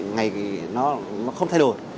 ngày này nó không thay đổi